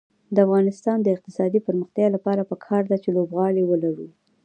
د افغانستان د اقتصادي پرمختګ لپاره پکار ده چې لوبغالي ولرو.